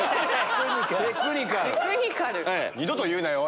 二度と言うなよ